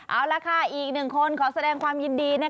เอาละค่ะอีกหนึ่งคนขอแสดงความยินดีนะคะ